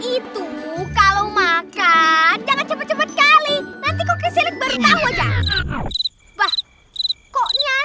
itu kalau makan jangan cepet cepet kali nanti kok kesilik bertahun tahun aja koknya